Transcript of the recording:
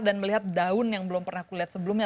dan melihat daun yang belum pernah kulihat sebelumnya